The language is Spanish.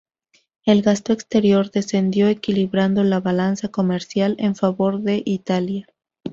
El gasto exterior descendió equilibrando la balanza comercial en favor de Italia.